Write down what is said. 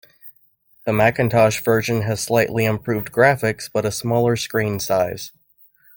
The Macintosh version has slightly improved graphics, but a smaller screen size.